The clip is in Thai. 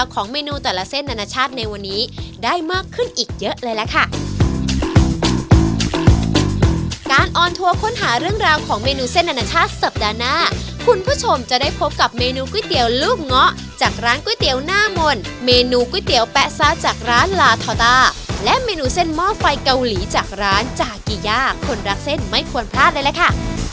ของเมนูเส้นนาชาติสัปดาห์หน้าคุณผู้ชมจะได้พบกับเมนูก๋วยเตี๋ยวลูกง้อจากร้านก๋วยเตี๋ยวน่าหม่นเมนูก๋วยเตี๋ยวแปะซาจากร้านลาเทาตาและเมนูเส้นหม้อไฟเกาหลีจากร้านจากียาคนรักเส้นไม่ควรพลาดได้เลยค่ะ